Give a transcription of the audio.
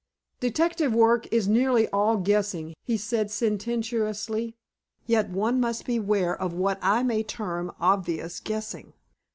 "Detective work is nearly all guessing," he said sententiously, "yet one must beware of what I may term obvious guessing.